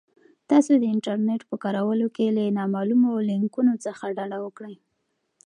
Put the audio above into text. تاسو د انټرنیټ په کارولو کې له نامعلومو لینکونو څخه ډډه وکړئ.